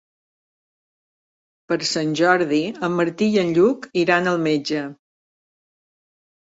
Per Sant Jordi en Martí i en Lluc iran al metge.